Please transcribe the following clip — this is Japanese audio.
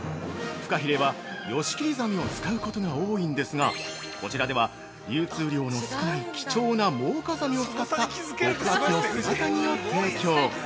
フカヒレはヨシキリザメを使うことが多いんですが、こちらでは流通量の少ない貴重なモウカザメを使った極厚の姿煮を提供。